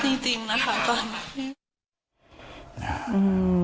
พี่ท่านที่ได้คุยกับคนขับและยังเบื่อย